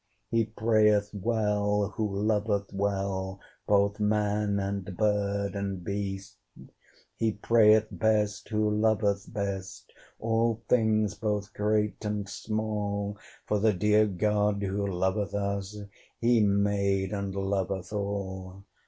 He prayeth well, who loveth well Both man and bird and beast. He prayeth best, who loveth best All things both great and small; For the dear God who loveth us He made and loveth all.